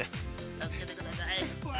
◆助けてください。